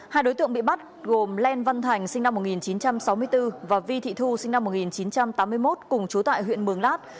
hai đối tượng bị bắt gồm lê văn thành sinh năm một nghìn chín trăm sáu mươi bốn và vi thị thu sinh năm một nghìn chín trăm tám mươi một cùng chú tại huyện mường lát